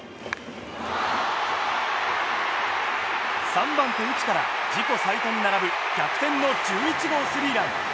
３番手、内から、自己最多に並ぶ逆転の１１号スリーラン。